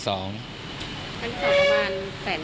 ครั้งที่๒ประมาณ๑๐๐๐๐๐บาท